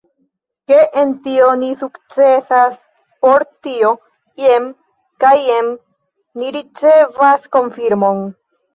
Ke en tio ni sukcesas, por tio jen kaj jen ni ricevas konfirmon.